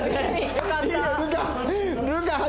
よかった！